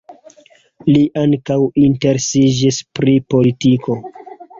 Li ankaŭ interesiĝis pri politiko.